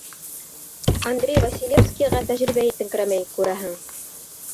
Андрей Василевскийға тәжрибә етеңкерәмәй, күрәһең.